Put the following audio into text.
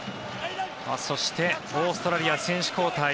そして、オーストラリアは選手交代。